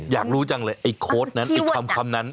อยากรู้จังเลยไอ้โค้ดนั้นไอ้คำนั้น